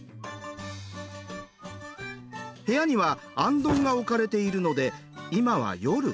部屋には行灯が置かれているので今は夜。